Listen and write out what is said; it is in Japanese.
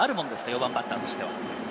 ４番バッターとしては。